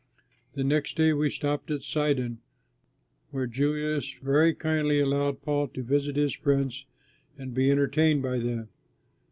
The next day we stopped at Sidon, where Julius very kindly allowed Paul to visit his friends and be entertained by them.